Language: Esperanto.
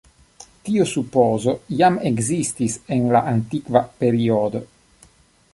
Tiu supozo jam ekzistis en la antikva periodo.